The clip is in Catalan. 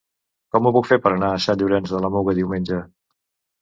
Com ho puc fer per anar a Sant Llorenç de la Muga diumenge?